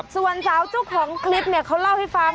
ส่วนสาวเจ้าของคลิปเนี่ยเขาเล่าให้ฟัง